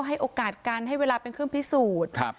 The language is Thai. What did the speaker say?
ให้โอกาสกันให้เวลาเป็นเครื่องพิสูจน์